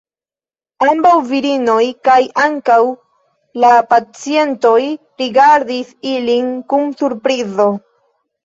Ambau virinoj kaj ankau la pacientoj rigardis ilin kun surprizo.